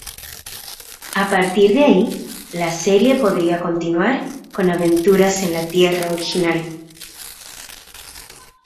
A partir de ahí la serie podría continuar con aventuras en la Tierra original.